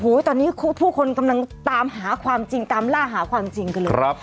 ตอนนี้ผู้คนกำลังตามหาความจริงตามล่าหาความจริงกันเลย